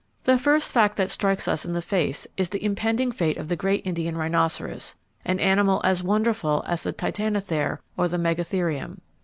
The first fact that strikes us in the face is the impending fate of the great Indian rhinoceros, an animal as wonderful as the Titanothere or the Megatherium.